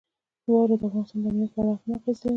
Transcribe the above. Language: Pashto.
واوره د افغانستان د امنیت په اړه هم اغېز لري.